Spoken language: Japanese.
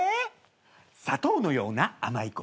「砂糖のような甘い声